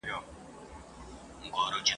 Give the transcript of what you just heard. استاد وویل: چي دا موضوع مجهوله نه ده.